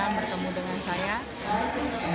dengan penyakit yang terjadi di jakarta